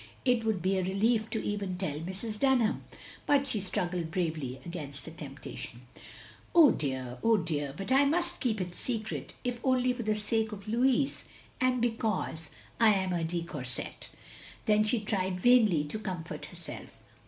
It would be a relief to even tell Mrs. Dunham," but she struggled bravely against the temptation. " Oh dear, oh dear! But I must keep it secret, if only for the sake of Louis, and because I am ro8 THE LONELY LADY a de Courset. " Then she tried vainly to comfort herself.